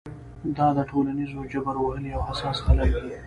دا د ټولنیز جبر وهلي او حساس خلک دي.